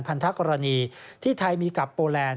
พันธกรณีที่ไทยมีกับโปแลนด